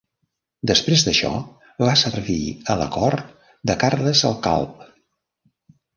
Després d'això, va servir a la cort de Carles el Calb.